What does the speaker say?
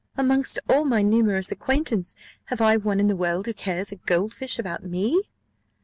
Amongst all my numerous acquaintance, have I one in the world who cares a gold fish about me?